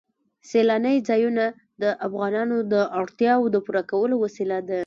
سیلانی ځایونه د افغانانو د اړتیاوو د پوره کولو وسیله ده.